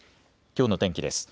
きょうの天気です。